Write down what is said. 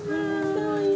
かわいい。